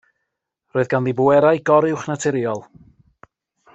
Roedd ganddi bwerau goruwchnaturiol.